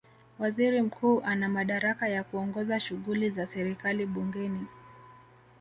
Waziri Mkuu ana madaraka ya kuongoza shughuli za serikali bungeni